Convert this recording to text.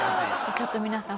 ちょっと皆さん